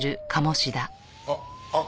あっあっ